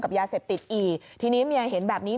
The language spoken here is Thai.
ยาเสพติดอีกทีนี้เมียเห็นแบบนี้